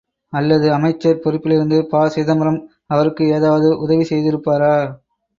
அல்லது அமைச்சர் பொறுப்பிலிருந்து ப.சிதம்பரம் அவருக்கு ஏதாவது உதவி செய்திருப்பாரா?